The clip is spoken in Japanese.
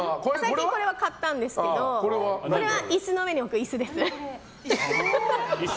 最近これは買ったんですけど椅子の上に置く椅子？